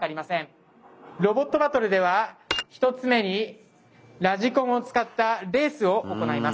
ロボットバトルでは一つ目にラジコンを使ったレースを行います。